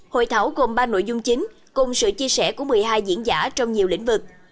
hội thảo gồm ba nội dung chính cùng sự chia sẻ của một mươi hai diễn giả trong nhiều lĩnh vực